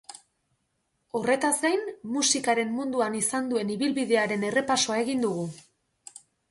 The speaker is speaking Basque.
Horretaz gain, musikaren munduan izan duen ibilbidearen errepasoa egin dugu.